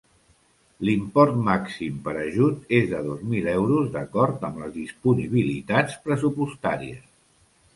L'import màxim per ajut és de dos mil euros d'acord amb les disponibilitats pressupostàries.